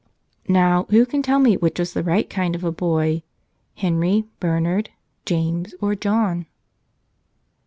Nov/, who can tell me which was the right kind of a boy, Henry, Bernard, James, or John?